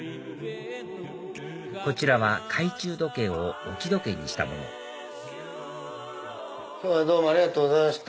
こちらは懐中時計を置き時計にしたものどうもありがとうございました。